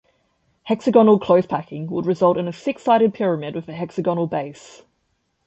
Hexagonal close-packing would result in a six-sided pyramid with a hexagonal base.